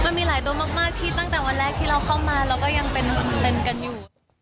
มันมีหลายตัวมากที่ตั้งแต่วันแรกที่เราเข้ามาเราก็ยังเป็นกันอยู่